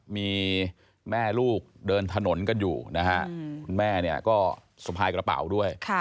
มีแม่ลูกเดินถนนกันอยู่นะฮะคุณแม่เนี่ยก็สะพายกระเป๋าด้วย